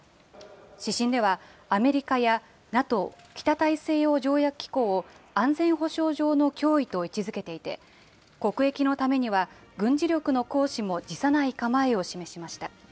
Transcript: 指針では、アメリカやＮＡＴＯ・北大西洋条約機構を、安全保障上の脅威と位置づけていて、国益のためには軍事力の行使も辞さない構えを示しました。